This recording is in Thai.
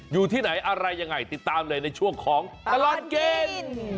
อยู่ที่ไหนอะไรยังไงติดตามเลยในช่วงของตลอดกิน